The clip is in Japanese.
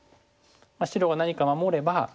白が何か守れば。